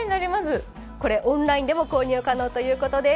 これ、オンラインでも購入可能ということです。